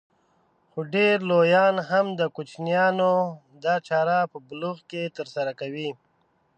خو ډېر لويان هم د کوچنيانو دا چاره په بلوغ کې ترسره کوي.